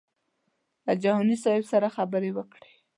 له جهاني صاحب سره خبرې وکړې.